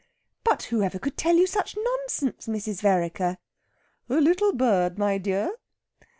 "But whoever could tell you such nonsense, Mrs. Vereker?" "A little bird, my dear."